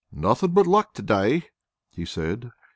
"Nothing but luck to day," he said.